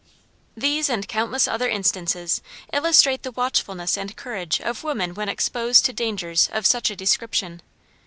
These and countless other instances illustrate the watchfulness and courage of woman when exposed to dangers of such a description.